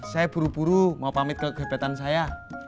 saya buru buru mau pamit kegebetan saya